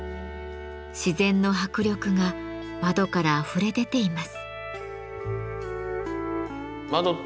自然の迫力が窓からあふれ出ています。